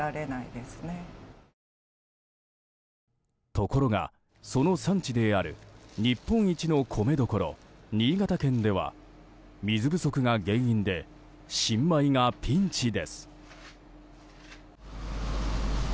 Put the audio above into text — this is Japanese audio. ところが、その産地である日本一の米どころ、新潟県では水不足が原因で新米がピンチです。